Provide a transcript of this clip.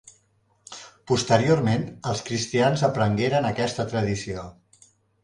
Posteriorment, els cristians aprengueren aquesta tradició.